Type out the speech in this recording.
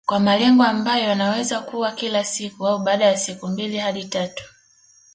Kwa malengo ambayo yanaweza kuwa kila siku au baada ya siku mbili hadi tatu